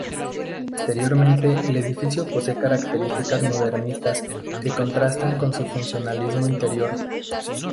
Exteriormente el edificio posee características modernistas que contrastan con su funcionalismo interior.